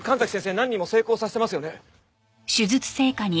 何人も成功させてますよね。